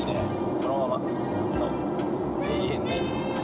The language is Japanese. このままずっと、永遠に。